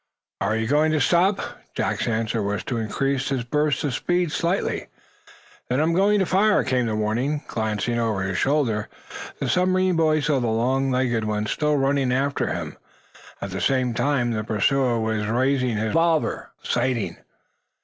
"Are you going to stop?" Jack's answer was to increase his burst of speed slightly. "Then I'm going to fire!" came the warning. Glancing over his shoulder the submarine boy saw the long legged one still running after him. At the same time the pursuer was raising his revolver, sighting.